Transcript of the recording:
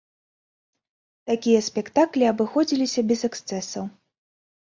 Такія спектаклі абыходзіліся без эксцэсаў.